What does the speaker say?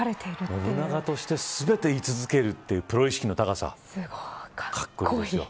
信長として全て居続けるというプロ意識の高さ。